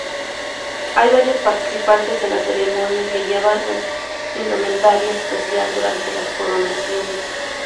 Hay varios participantes en la ceremonia que llevan una indumentaria especial durante las coronaciones.